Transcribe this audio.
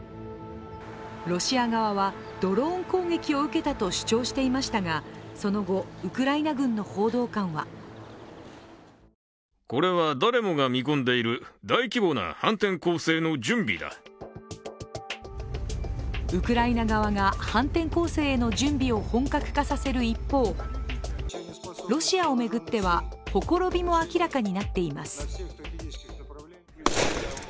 ロシア側は、ドローン攻撃を受けたと主張していましたがその後、ウクライナ軍の報道官はウクライナ側が反転攻勢への準備を本格化させる一方、ロシアを巡っては、ほころびも明らかになっています。